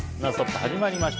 始まりました。